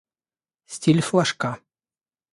Стиль флажка